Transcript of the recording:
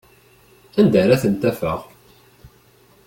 Anda ara tent-afeɣ?